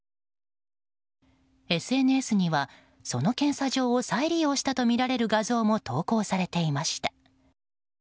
ＳＮＳには、その検査場を再利用したとみられる画像も投稿されていました。